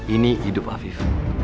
ini hidup afif